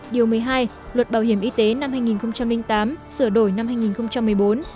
điều một mươi hai luật bảo hiểm y tế năm hai nghìn tám sửa đổi năm hai nghìn một mươi bốn